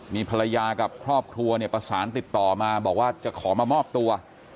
มีภรรยากับครอบครัวเนี่ยประสานติดต่อมาบอกว่าจะขอมามอบตัว